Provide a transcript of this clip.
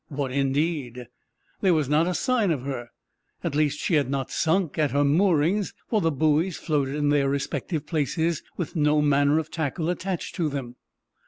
What, indeed? There was not a sign of her. At least, she had not sunk at her moorings, for the buoys floated in their respective places, with no manner of tackle attached to them.